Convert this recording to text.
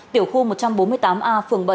tiểu khu một trăm bốn mươi tám a phường bảy